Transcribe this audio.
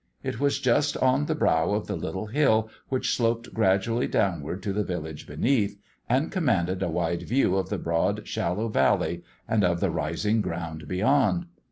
It was just on the brow of the little hill which sloped gradually downward to the village beneath, and commanded a wide view of the broad shallow valley and of the rising ground beyond.